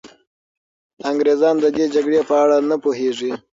انګریزان د دې جګړې په اړه نه پوهېږي.